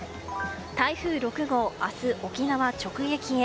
台風６号、明日沖縄直撃へ。